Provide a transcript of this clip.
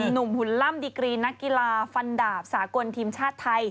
หุ่นล่ำดิกรีนักกีฬาฟันดาบสากลทีมชาติไทย